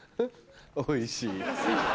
「おいしい」？